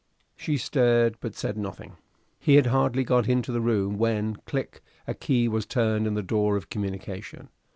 She stared, but said nothing. He had hardly got into the room when, click, a key was turned in the door of communication.